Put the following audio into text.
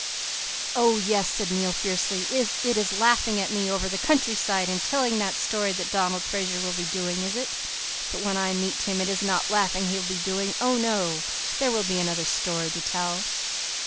"'Oh, yes,' said Neil fiercely. 'It is laughing at me over the country side and telling that story that Donald Fraser will be doing, is it? But when I meet him it is not laughing he will be doing. Oh, no. There will be another story to tell!